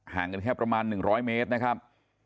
กันแค่ประมาณ๑๐๐เมตรนะครับ